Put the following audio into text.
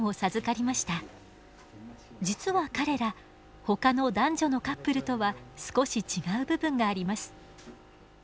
実は彼らほかの男女のカップルとは少し違う部分があります。